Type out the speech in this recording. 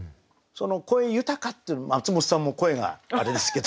その「声豊か」っていうの松本さんも声があれですけど。